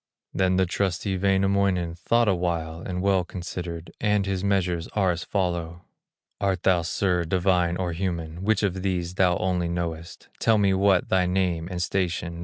Then the trusty Wainamoinen Thought awhile and well considered, And his measures are as follow: "Art thou, sir, divine or human? Which of these thou only knowest; Tell me what thy name and station.